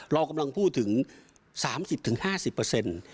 เรากำลังพูดถึง๓๐ถึง๕๐